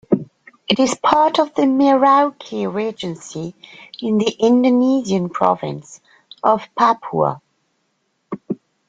It is part of the Merauke Regency, in the Indonesian province of Papua.